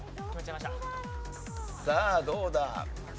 さあどうだ？